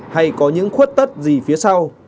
hay có những khuất tất gì phía sau